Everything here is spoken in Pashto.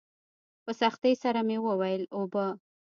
په سختۍ سره مې وويل اوبه.